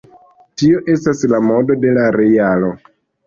Tio estas la modo de la realo.